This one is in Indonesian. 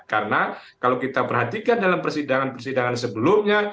karena kalau kita perhatikan dalam persidangan persidangan sebelumnya